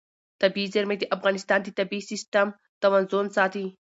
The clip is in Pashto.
طبیعي زیرمې د افغانستان د طبعي سیسټم توازن ساتي.